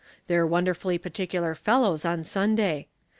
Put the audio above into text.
They're wonderfully particular fellows on Sunday.